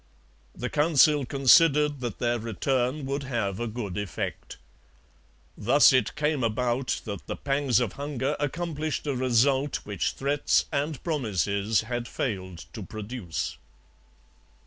The Council considered that their return would have a good effect. Thus it came about that the pangs of hunger accomplished a result which threats and promises had failed to produce.